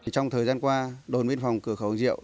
trong thời gian qua đồn biên phòng cửa khẩu diệu